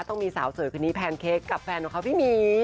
ต้องมีสาวสวยคนนี้แพนเค้กกับแฟนของเขาพี่หมี